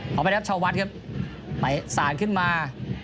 ขอบใจนะครับชาววัดครับไปสานขึ้นมา